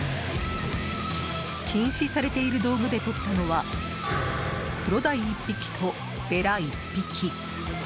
禁止されている道具でとったのはクロダイ１匹とベラ１匹。